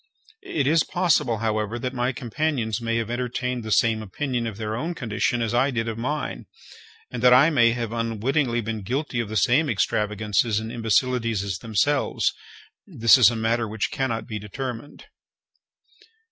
It is possible, however, that my companions may have entertained the same opinion of their own condition as I did of mine, and that I may have unwittingly been guilty of the same extravagances and imbecilities as themselves—this is a matter which cannot be determined.